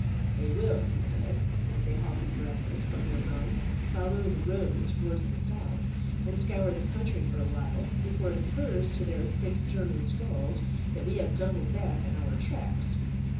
"They will," he said, as they halted breathless from their run, "follow the road towards the south, and scour the country for awhile before it occurs to their thick German skulls that we have doubled back on our tracks.